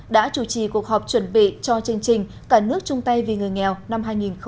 đã chủ trì cuộc họp chuẩn bị cho chương trình cả nước chung tay vì người nghèo năm hai nghìn hai mươi